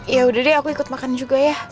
yaudah deh aku ikut makan juga ya